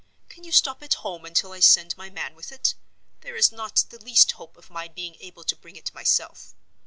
Can you stop at home until I send my man with it? There is not the least hope of my being able to bring it myself.